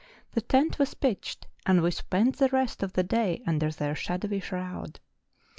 The tent was pitched, and we spent the rest of the day under their " shadowy shroud."